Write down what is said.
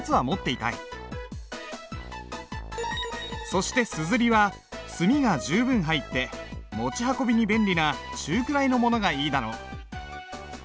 そして硯は墨が十分入って持ち運びに便利な中くらいのものがいいだろう。